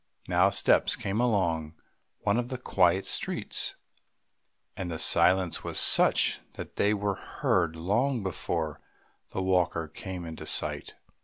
Now steps came along one of the quiet streets, and the silence was such that they were heard long before the walker came into sight.